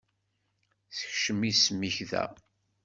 Sekcem isem-ik da.